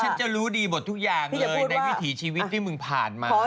ฉันจะรู้ดีหมดทุกอย่างเลยในวิถีชีวิตที่มึงผ่านมา